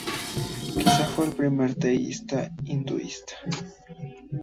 Quizá fue el primer teísta hinduista.